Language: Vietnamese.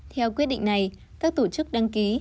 theo quyết định này các tổ chức đăng ký